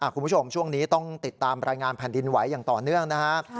คุณผู้ชมช่วงนี้ต้องติดตามรายงานแผ่นดินไหวอย่างต่อเนื่องนะครับ